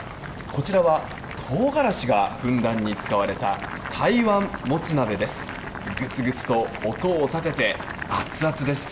こちらはトウガラシがふんだんに使われた台湾もつ鍋です。